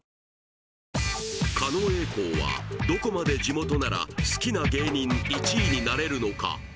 ＪＴ狩野英孝はどこまで地元なら好きな芸人１位になれるのか？